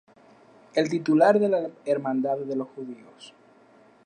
Es titular de la Hermandad de Los Judíos.